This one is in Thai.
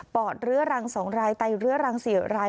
อดเรื้อรัง๒รายไตเรื้อรัง๔ราย